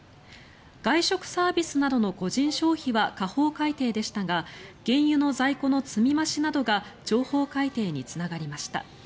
外食サービスなどの個人消費は下方改定でしたが原油の在庫の積み増しなどが上方改定につながりました。